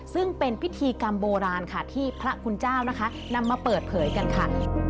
ซึ่งเป็นพิธีกรรมโบราณค่ะที่พระคุณเจ้านะคะนำมาเปิดเผยกันค่ะ